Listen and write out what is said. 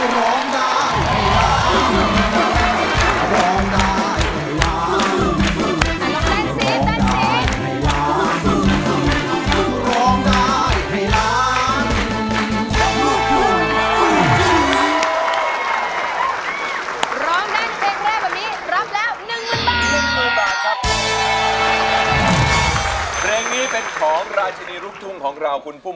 ร้องได้ให้ล้าน